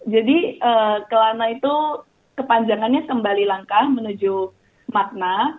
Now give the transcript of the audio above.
jadi kelana itu kepanjangannya kembali langkah menuju makna